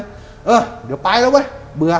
เดี๋ยวไปละไว้เบื่อ